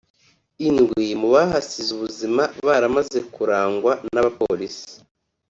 Indwi mu bahasize ubuzima baramaze kurangwa n'abapolisi